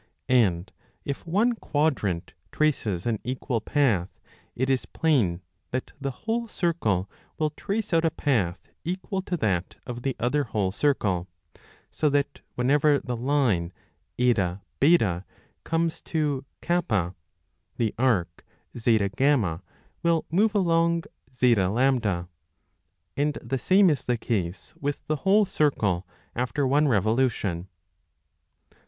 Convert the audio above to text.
And if one quadrant traces an equal path, it is plain that the whole circle will trace out a path equal to that of the other whole circle ; so that whenever the line HB comes to K, the arc ZF will move along ZA ; and the same is the case with the whole circle after one revolution.